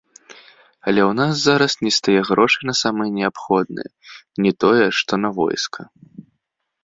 Але ў нас зараз нестае грошай на самае неабходнае, не тое, што на войска.